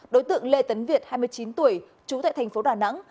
đối tượng lê tấn việt hai mươi chín tuổi trú tại thành phố đà nẵng